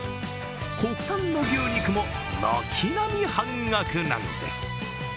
国産の牛肉も、軒並み半額なんです